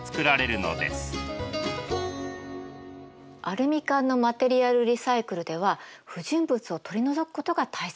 アルミ缶のマテリアルリサイクルでは不純物を取り除くことが大切なの。